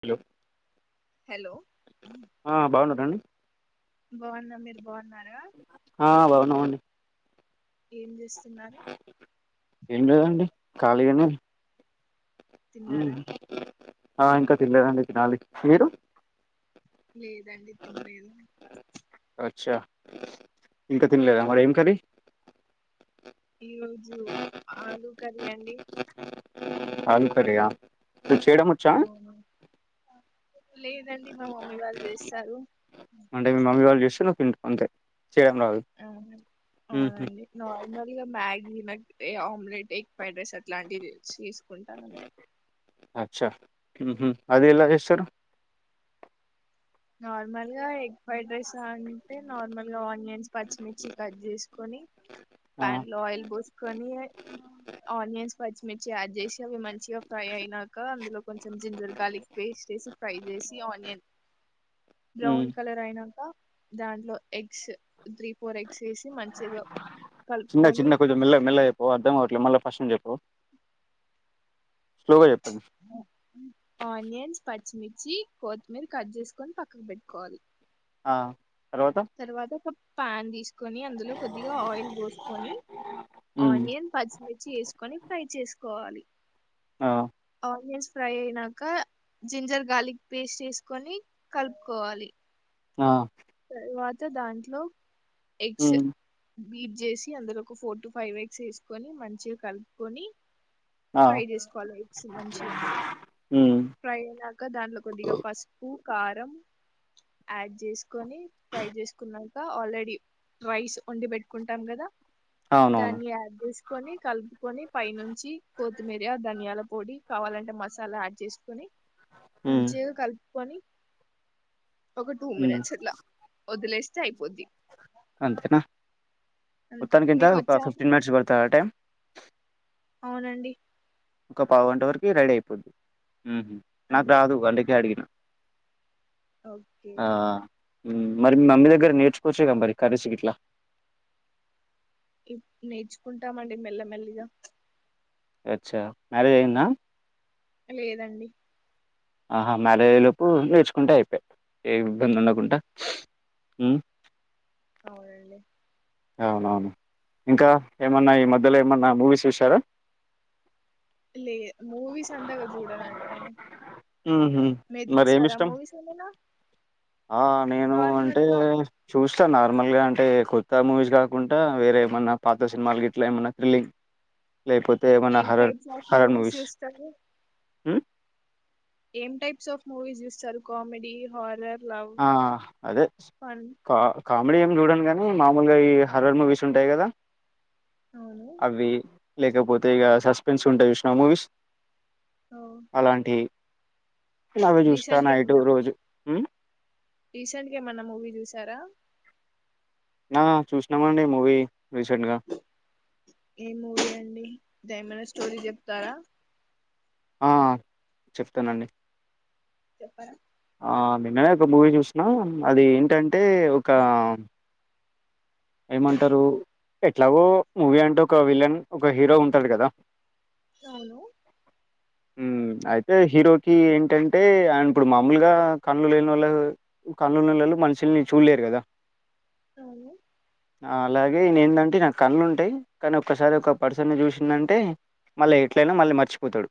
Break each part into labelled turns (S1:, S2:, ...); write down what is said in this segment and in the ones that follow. S1: Hello
S2: hello
S1: ఆ బాగున్నారండి
S2: బాగున్న మీరు బాగున్నార
S1: ఆ బాగున్నామండీ
S2: ఏం చేస్తున్నారు
S1: ఏం లేదండి ఖాళీగానే
S2: తిన్నారా
S1: ఆ ఇంకా తినలేదండీ తినాలి మీరు
S2: లేదండి తినలేదు
S1: అచ్చా ఇంకా తినలేదా మరి ఏం కర్రి
S2: ఈ రోజు ఆలూ కర్రీ అండి
S1: ఆలు కర్రి యా
S2: అ
S1: అంటే మీ మమ్మీ వాళ్ళు చేస్తే నువ్వు తింటవ్ అంతే చేయడం రాదు
S2: అ
S1: ఉహు,
S2: అవునండి నార్మల్గా మ్యాగీ ఏ ఆమ్లెట్ ఎగ్ ఫ్రైడ్ రైస్ అట్లాంటివి తీసుకుంటాను అంతే
S1: అచ్చా హ్ అది ఎలా చేస్తారు
S2: నార్మల్ గా ఎగ్ ఫ్రైడ్ రైస్ అంటే నార్మల్గా ఆనియన్స్ పచ్చిమిర్చి కట్ చేసుకొని
S1: ఆ
S2: ప్యాన్ లో ఆయిల్ పోసుకొని ఆనియన్స్ పచ్చిమిర్చి యాడ్ చేసి అవి మంచిగా ఫ్రై అయినాక అందులో కొంచెం జింజర్ గార్లిక్ పేస్ట్ వేసి ఫ్రై చేసి వేసి అనియన్
S1: ఉమ్.
S2: బ్రౌన్ కలర్ అయినాక దాంట్లో ఎగ్స్ త్రీ ఫోర్ ఎగ్స్ వేసి మంచిగా
S1: చిన్న
S2: కలుపుకొని
S1: చిన్న గా కొంచెం మెల మెల్ల గా చెప్పవ అర్ధం కావట్లా ఇట్లే మల్లా ఫస్ట్ నుంచి చెప్పు. స్లోగా చెప్పండి
S2: ఆనియన్స్ ప పచ్చిమిర్చి, కొత్తిమీర కట్ చేసుకొని పక్కకు పెట్టుకోవాలి.
S1: ఆ
S2: తర్వాత ఒక పాన్ తీసుకొని అందులో కొద్దిగా ఆయిల్ పోసుకొని
S1: ఉమ్
S2: ఆనియన్స్ పచ్చిమిర్చి వేసుకొని ఫ్రై చేసుకోవాలి.
S1: ఆ
S2: ఆనియన్స్ ఫ్రై అయినాక జింజర్ గార్లిక్ పేస్ట్ వేసుకొని కలుపుకోవాలి.
S1: ఆ
S2: ఇక దాంట్లో ఎగ్స్
S1: ఉమ్
S2: బీట్ చేసి అందులో ఒక ఫోర్ టు, ఫైవ్ ఎగ్స్ వేసుకొని మంచిగా కలుపుకొని
S1: ఆ
S2: ఫ్రై చేసుకోవాలి ఎగ్స్ మంచిగా
S1: ఉమ్
S2: ఫ్రై అయినాక దాంట్లో కొద్దిగా పసుపు, కారం యాడ్ చేసుకొని ఫ్రై చేసుకున్నాక ఆల్రెడీ రైస్ వండి పెట్టుకుంటాం కదా.
S1: అవునవును
S2: దాన్ని యాడ్ చేసుకొని కలుపుకొని పై నుంచి కొత్తిమీర, ధనియాల పొడి కావాలంటే మసాలా యాడ్ చేసుకుని
S1: ఉమ్
S2: మంచిగా కలుపుకొని ఒక టూ
S1: ఉమ్
S2: మినిట్స్ ఇట్లా వదిలేస్తే అయిపోద్ది.
S1: అంతేనా
S2: అంతే
S1: మొత్తానికెంత
S2: మీకు వచ్చా అండి
S1: ఫిఫ్టీన్ ఒక మినిట్స్ పడతాద ఆ టైమ్
S2: అవునండి
S1: ఒక పావుగంట వరకి రెడీ అయిపోద్ది ఉ నాకు
S2: అంతే
S1: రాదు అందుకే అడిగిన
S2: ఓకే
S1: ఊ మరి మమ్మీ దగ్గర నేర్చుకోవచ్చు కదా మరి కర్రీస్ ఇట్లా
S2: నేర్చుకుంటామండి మెల్లమెల్లిగా
S1: అచ్చా మ్యరేజ్ అయిందా
S2: లేదండి
S1: ఆహా మ్యారేజ్ అయ్యే లోపు నేర్చుకుంటే అయిపోయి ఏ ఇబ్బంది ఉండకుండా
S2: అవును
S1: ష్ ఉ
S2: అవునండి
S1: అవునవును ఇంకా ఏమన్నా ఈ మధ్యలో ఏమన్నా మూవీస్ చూసారా?
S2: లే మూవీస్ అంతాగా చూడనండి నేను
S1: ఉహు
S2: మీరు
S1: మరి ఏమి
S2: చూసారా
S1: ఇష్టం?
S2: మూవీస్ ఏమైనా
S1: ఆ నేను
S2: నార్మల్
S1: అంటే
S2: గా
S1: చూస్ చ్చ నార్మల్ గా అంటే కొత్త మూవీస్ కాకుండా వేరే ఏమన్నా పాత సినిమాలు గిట్లా ఏమన్నా థ్రిల్లింగ్ లేపోతే ఏమన్నా
S2: ఏం
S1: horror
S2: types of
S1: horror movies
S2: చూస్తారు
S1: ఉ
S2: ఏం టైప్స్ ఆఫ్ మూవీస్ చూస్తారు కామెడీ, హారర్ లవ్
S1: ఆ అదే
S2: ఫన్
S1: పా కామెడీ ఏం చూడను కానీ మామూలుగా ఈ హర్రర్ మూవీస్ ఉంటాయి కదా.
S2: అవును
S1: అవి లేకపోతే ఇగ సస్పెన్స్ ఉంటాయి ష్ణ మూవీస్ అలాంటి నవే
S2: రీసెంట్ గా
S1: చూస్తానయిటు
S2: ఏమన్నా
S1: రోజు
S2: రీసెంట్ గా ఏమన్నా మూవీ చూసారా?
S1: నా చూసినామండి మూవీ. రీసెంట్‌గా.
S2: ఏ మూవీ అండి దైమన్ స్టోరీ చెప్తారా?
S1: ఆ చెప్తానండి
S2: చెప్పర
S1: ఆ నిన్ననే ఒక మూవీ చూసిన అది ఏంటంటే ఒక ఏమంటారు ఎట్లాగో మూవీ అంటే ఒక విలన్, ఒక హీరో ఉంటాడు కదా.
S2: అవును
S1: ఊ అయితే హీరోకి ఏంటంటే అయన ఇప్పుడు మా మూలుగా కళ్ళు లేని వాళ్ళు కళ్ళు లున్న వాళ్ళు మనుషుల్ని చూడలేరు కదా.
S2: అవును
S1: అలాగే నే ఏంటంటే నాకు కళ్ళ ఉంటాయి కానీ ఒక్కసారి ఒక పర్సన్ని చూసిందంటే మళ్ళీ ఎట్లైనా మళ్ళీ మర్చిపోతాడు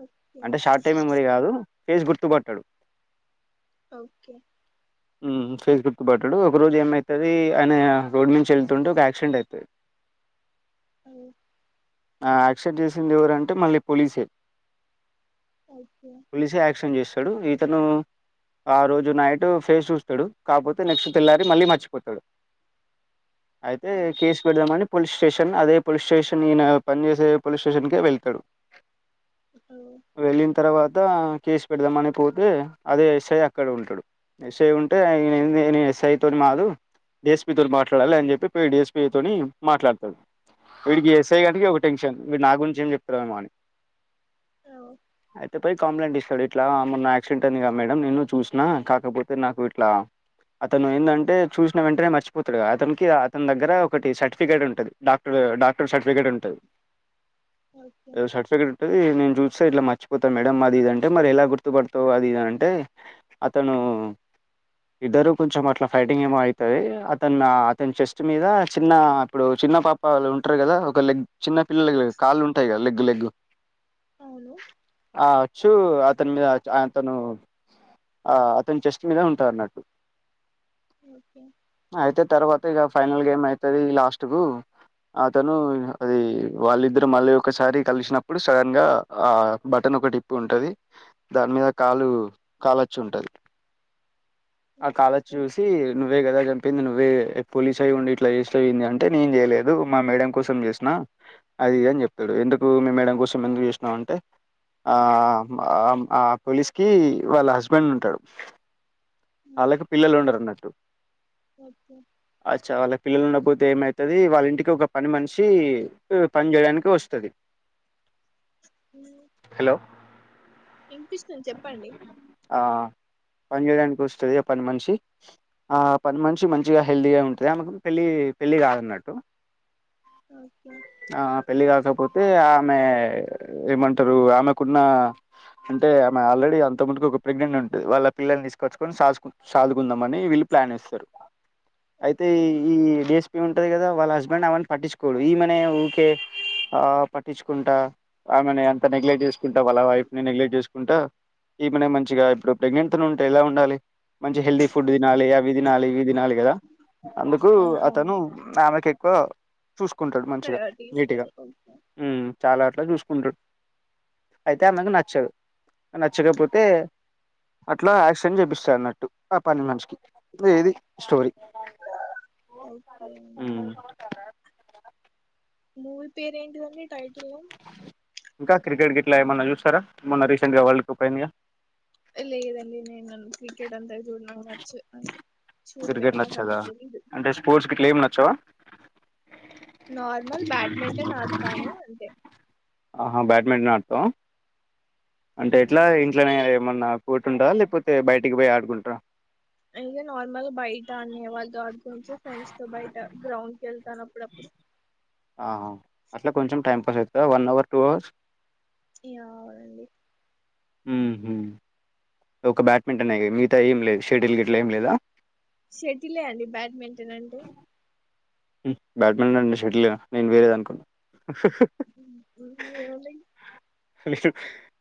S2: ఓకే
S1: అంటే షార్ట్ టైమ్ మెమోరీ కాదు ఫేస్ గుర్తుపట్టడు
S2: ఓకే
S1: ఫేస్ చూపేట్టడు ఒక రోజు ఏమవుతుంది అని రోడ్ నుంచి వెళ్తుంటే ఒక యాక్సిడెంట్ అవుతుంది
S2: అ
S1: ఆ యాక్సిడెంట్ జేసింది ఎవరంటే మళ్ళీ పోలీసే
S2: ఓకే
S1: పోలీసే యాక్షన్ జేస్తాడు ఇతనూ ఆ రోజు నైట్ ఫేస్ జూస్తాడు కాకపోతే నెక్స్ట్ తెల్లారి మళ్ళీ మర్చిపోతాడు అయితే
S2: ఓ
S1: కేసు పెడదామని పోలీస్ స్టేషన్ అదే పోలీస్ స్టేషన్ ఈయన పని జెసే పోలీస్ స్టేషన్కే వెళ్తాడు
S2: ఓ
S1: వెళ్ళిన తర్వాత కేసు పెడదాం అని పోతే అదే ఎస్ఐ అక్కడ ఉంటాడు ఎస్ఐ ఉంటే ఇనెందీ నేను ఎస్ఐ తోని మాదు డీఎస్పితోని మాట్లాడాలి అని చెప్పి పోయి డిఎస్పితోని మాట్లాడతాడు వీడికి ఎస్ఐ గానీకి ఒక టెన్షన్ వీడూ నా గురించి ఏం చెప్తారో ఏమో అని
S2: ఓ
S1: అయితే పోయి కంప్లైంట్ ఇస్తాడు ఇట్లా మొన్న యాక్సిడెంట్ అయిందిగా మేడం నేను చూసిన కాకపోతే నాకు ఇట్లా అతను ఏందంటే చూసిన వెంటనే మర్చిపోతడుగా అతనికి అతని దగ్గర ఒకటి సర్టిఫికేట్ ఉంటది డాక్టర్ ఊ డాక్టర్ సర్టిఫికేట్ ఉంటది
S2: ఓకే
S1: సర్టిఫికేట్ ఉంటది నేను చూస్తే ఇట్లా మర్చిపోతాను మేడం అది ఇది అంటే మరి ఎలా గుర్త్ గుర్తుపడుతవ్ అది ఇది అంటే అతను ఇద్దరు కొంచెం అట్లా ఫైటింగ్ ఏమో ఐతది అతను అతని చెస్ట్ మీద చిన్న అప్పుడు చిన్న పాపలు ఉంటారు కదా ఒక లెగ్ చిన్న పిల్లల కాళ్ళు ఉంటాయి కద లగ్ లెగ్
S2: అవును
S1: ఆ అచ్చు అతని మీద ఆ తను ఆ అతను చెస్ట్ మీద ఉంటాదన్నట్టు
S2: ఒకే
S1: తర్వాత ఇగ ఫైనల్ గ ఎం అయితది లాస్ట్ కు అతను అది వాళ్ళిద్దరు మళ్ళీ ఒకసారి కలిసినప్పుడు సడన్ గా ఆ బటన్ ఒకటి ఇప్పుంటది దాని మీద కాలచ్చుంటది ఆ
S2: ఓకే
S1: కాలచ్చుజూసి నువ్వే గదా జం ప్పింది నువ్వే పోలీస్ అయి ఉండి ఇట్లా జేసినవ్ ఏంది అంటే నేం జేయలేదు మా మేడం కోసం జేసిన అది ఇది అని జేప్తాడు ఎందుకు మీ మేడం కోసం ఎందుకు జెసినావ్ అంటే ఆ ఆ ఆమ్ ఆ పోలీస్కి వాళ్ళ హస్బెండ్ ఉంటాడు
S2: ఉమ్,
S1: అళ్ళకి పిల్లలుండరు అన్నట్టు
S2: ఓకే
S1: అచ్చ వాళ్ళకి పిల్లలు ఉండ పోతే ఏమైతది వాళ్ళింటికి ఒక పని మనిషి పని చేయడానికి వస్తది
S2: అ
S1: హలో ఆ పనిజేయడానికి వస్తది పని మనిషి ఆ పని మనిషి మంచిగా హెల్తీగా ఉంటది ఆమెకు పెళ్ళి పెళ్ళి కాదన్నట్టు
S2: ఓకే
S1: ఆ పెళ్ళిగాక పోతే ఆమె ఏమంటారు ఆమెకున్న అంటే ఆమె ఆల్రెడీ అంత ముందుకు ఒక ప్రెగ్నెంట్ ఉంటంది వాళ్ళ పిల్లల్ని తీసుకోచుకొని సాధు సాదుకుందామని వీళ్ళు ప్లాన్ ఏస్తారు అయితే
S2: ఓకే
S1: ఈ ఈ డేస్ ఇ ఉంటది కదా వాళ్ళ హస్బెండ్ అమెను పట్టింకోడు ఈమెనే ఊకే ఆ పట్టించుకుంటా ఆమెను అంత నెగ్లెక్ట్ చేసుకుంటా వాళ్ళ వైఫ్ ని నెగ్లెక్ట్ చేసుకుంటా ఈమనే మంచిగా ఇప్పుడు ప్రెగ్నెంట్ తోనుంటేలా ఉండాలి మంచి హెల్తీ ఫుడ్
S2: అవును
S1: దినాలి అవి దినాలి ఇవి దినాలి గదా అందుకు
S2: ఉమ్,
S1: అతను
S2: అవును
S1: ఆమెకె ఏకో చూసుకుంటాడు మంచిగా
S2: ప్రయారిటీ
S1: నీట్ గా
S2: ఇస్తాడు ఓకే
S1: చాలా అట్లా చూసు అయితె ఆమెక్ నచ్చద్ నచ్చకపోతే అట్లా యాక్సెంట్ జేపిస్ చన్నట్టు ఆ పనిమనిషికి ఇది స్టోరీ
S2: ఓకే అండి
S1: మ్
S2: మూవీ పేరేంటిదండి టైటిల్
S1: ఇంకా క్రికెట్గిట్లా ఏమైన్నా జూస్తారా ఏమన్న రీసెంట్ గా వరల్డ్ కప్ అయిందిగా
S2: లేదండీ నేను క్రికెట్ అంత జూడను నాక్ నచ్చ అంతే
S1: క్రికెట్ నచ్చదా అంటే స్పోర్ట్స్కి ఇట్లా ఏమ్ నచ్చవా
S2: నార్మల్ బ్యాడ్మింటన్ ఆడుతాను అంతె
S1: ఆహా బ్యాడ్మింటన్ ఆతో అంటే ఎట్లా ఇంట్లోనే ఏమన్నా కోట్ ఉందా లేక్పోతే బయటికి పోయి ఆడుకుంటర
S2: అయితే నార్మల్ బయట ఆన్య వాళ్ళతో ఆడుకోచు ఫ్రెండ్స్ తో బయట గ్రౌండ్ కి ఎళ్తాన్ అప్పుడు
S1: ఆ అట్ల కొంచెం టైం పాస్ ఐతదా వన్ అవర్ టూ అవర్స్
S2: ఆవునండి
S1: మ్ హ్ ఒక బ్యాడ్మింటన్ అ మిగతా ఏం లేదు షెటిల్ గిట్లా ఏం లేదా
S2: షటిలే అండి బ్యాడ్మింటన్ అంటే
S1: మ్ బ్యాడ్మింటన్ అంటె షటిల్ ఏన నేన్ వేరేది అనుకున్నా
S2: ఎవన్నా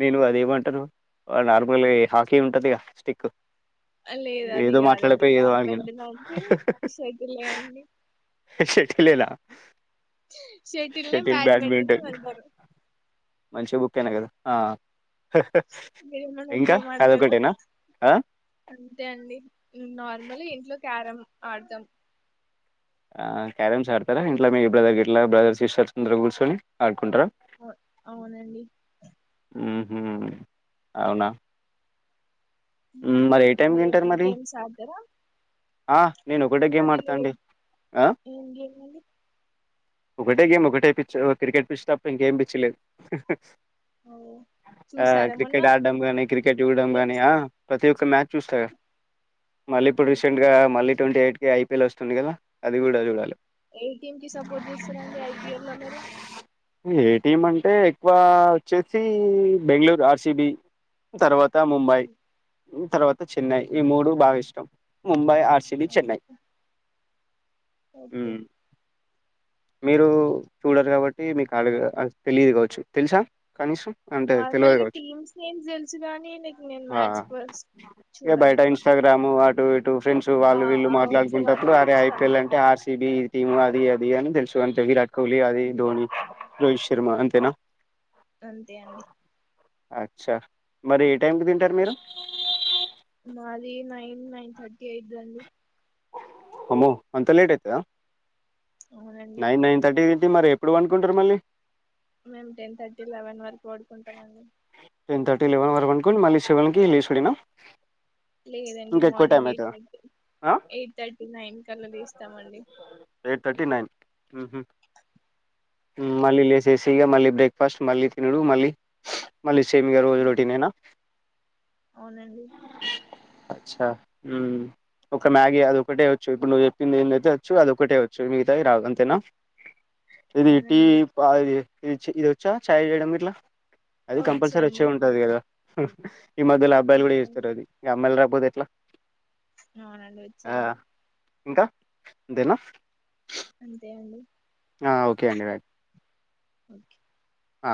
S1: నేను అదేమంటరు నార్మల్ ఈ హాకీ ఉంటది గ స్టిక్
S2: లేద్ అది
S1: ఏదో
S2: కాదండి
S1: మాట్లాడపోయి ఏదో అడిగిన
S2: బ్యాడ్మింటన్ అంటే షటిలే అండి
S1: షటి లేనా
S2: షటిల్నె బ్యాడ్మింటన్ అంటారు
S1: మంచి బుక్ అయిన గదా
S2: మీరేమన్నా
S1: ఇంకా
S2: గేమ్ ఆడతారా
S1: అదొకటేనా ఆ
S2: అంతే అండి నార్మల్ ఇంట్లో క్యారమ్ ఆడ్తం
S1: ఆ క్యారమ్స్ ఆడతరా ఇంట్ మీ బ్రదర్ ఇట్లా బ్రదర్ సిస్టర్స్ అందరు కూర్చొని ఆడుకుంటర
S2: అ అవునండి
S1: మ్ హ్ ఔన
S2: మ్ మీర్ ఏమన గేమ్స్ ఆడ్తరా
S1: హా నేన్ ఒకటే గేమ్ ఆడ్త అండి ఆ
S2: ఏం గేమ్ అండి
S1: ఒకటే గేమ్ ఒకటే పిచ్చి క్రికెట్ పిచ్చితప్ప ఇంకేం పిచ్చిలేద్
S2: ఓ
S1: ఆ
S2: చూసారా మొన్న
S1: క్రికెట్ ఆడ్డం గానీ క్రికెట్ చూడం గాని
S2: గేమ్స్
S1: ఆ ప్రతి ఒక్క మ్యాచ్ చూస్తా మళ్ళీ ఇప్పుడు
S2: ఓ
S1: సెంట్ గా మళ్ళి ట్వంటీ ఎయిట్ కి ఐపీఎల్ ఒస్తుంది కదా అది గుడా జూడాలె
S2: ఏ టీం కి సపోర్ట్ జేస్తారండి ఐపీఎల్ లో మీరు
S1: ఏటీఎం అంటే ఎక్కువా వచ్చేసీ బెంగళూర్ ఆర్సిబి తర్వాత్ త ముంబై తర్వాత చెన్నై ఈ మూడు బాగా ఇష్టం ముంబై ఆర్సిబి చెన్నై
S2: ఓకే
S1: మ్మ్. మీరు చూడరు కాబట్టి మీక్ ఆడ తెలియదు కావచ్చు తెలుసా కనీసం అంటే తెలియదు
S2: నార్మల్గ
S1: కావచ్చు
S2: టీమ్స్ నేమ్స్ తెలుసు కాని నీక్ నేను మ్యాచ్ ఫస్ట్
S1: ఎ
S2: చూడను
S1: బయట
S2: ఎక్కువ
S1: ఇన్స్టాగ్రామూ అటు ఇట్ టూ ఫ్రెండ్సు
S2: ఆ
S1: వాళ్ళు వీళ్ళు
S2: ఆ వచ్చే
S1: మాట్లాడుకుంటప్పుడు
S2: వాటిలో
S1: అరె
S2: చూస్తా
S1: ఐపీఎల్
S2: అంతే
S1: అంటే ఆర్సిబి టీమ్ అది అది అని తెలుసు అంతే విరాట్ కోహ్లీ అది
S2: అంతే
S1: ధోని రోహిత్ శర్మ అంతెనా
S2: అంతే అండి
S1: అచ్చా మరి ఏ టైంకి తింటర్ మీరు
S2: మాదీ నైన్ నైన్ థర్టీ ఐయిద్దండి
S1: అమో అంత లేట్ ఐతదా
S2: అవునండి
S1: నైన్ నైన్ థర్టీ మరి ఎప్పుడు వన్కుంటర్ మళ్ళీ
S2: మేమ్ టెన్ థర్టీ లెవెన్ వరకు వడుకుంటామండి
S1: టెన్ థటీ లెవన్ వరకు వన్ కోని మళ్ళి సెవెన్కి లేశుడేనా
S2: లేదండి మార్నింగ్ ఎయిట్ థర్టీ
S1: ఆ
S2: ఎయిట్ థర్ట్ నైన్ కల్లా లేస్తామండి
S1: ఎయిట్ థర్టీ, నైన్ మ్మ్ హ్మ్ మళ్ళీ లేసేసి ఇగా మళ్ళీ బ్రేక్ఫాస్ట్ మళ్ళీ తినడు మళ్ళీ మళ్ళీ సేమ్ ఇయాల కూడ రోటీనేనా
S2: అవునండి
S1: వచ్చ ఒక మ్యాగి [unintelligible] ఒక్కటేవచ్చు ఇప్పుడు నువ్వు చెప్పింది ఏదైతే వచ్చు అది ఒకటేవచ్చు మిగతావి రావు అంతేనా ఇది టీ
S2: అవునండి
S1: అ ఇ ఇది వచ్చా ఛాయ్ చేయడం ఇట్లా అది కంపల్సరీ వచ్చే
S2: వచ్చండి
S1: ఉంటది కదా ఈ మధ్యలో అబ్బాయిలు కూడా
S2: వచ్చండి
S1: చేస్తారు అది ఇక అమ్మాయిలు రాకపోతే ఎట్లా
S2: అవునండి
S1: ఆ
S2: వచ్చండి
S1: ఇంకా అంతేనా
S2: అంతే అండి
S1: ఓకే అండి రైట్
S2: ఓకే
S1: ఆ